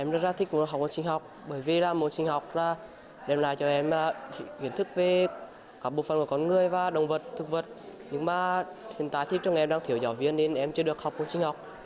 nhưng mà hiện tại thiếu giáo viên trong em đang thiếu giáo viên nên em chưa được học của chính học